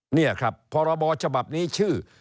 นี่ครับพรบฉบับนี้ชื่อ